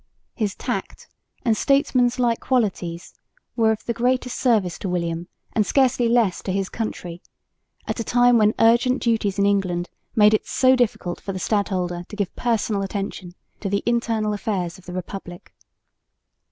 His tact and statesmanlike qualities were of the greatest service to William and scarcely less to his country, at a time when urgent duties in England made it so difficult for the stadholder to give personal attention to the internal affairs of the Republic.